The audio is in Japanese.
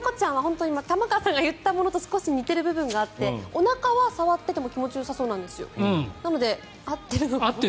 玉川さんが言ったものと少し似ているところがあっておなかは触っても気持ちよさそうなんです。